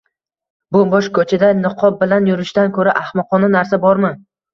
- Boʻm-boʻsh kochada niqob bilan yurishdan koʻra ahmoqona narsa bormi?